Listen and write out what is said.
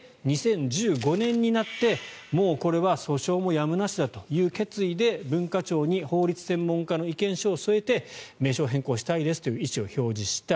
で、２０１５年になってもうこれは訴訟もやむなしだという決意で文化庁に法律専門家の意見書を据えて名称変更したいですという意思を相談した。